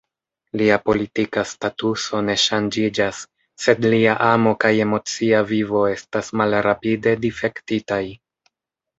Lia politika statuso ne ŝanĝiĝas, sed lia amo kaj emocia vivo estas malrapide difektitaj.